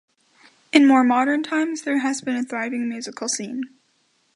In more modern times there has been a thriving musical scene.